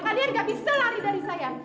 kalian gak bisa lari dari saya